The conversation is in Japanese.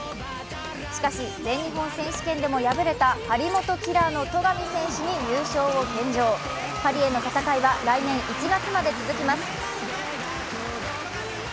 しかし全日本選手権でも敗れた張本キラーの戸上選手に優勝を献上、パリへの戦いは来年１月まで続きます。